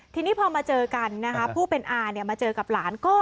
ทีนี้พอมาเจอกันนะคะผู้เป็นอาเนี่ยมาเจอกับหลานก็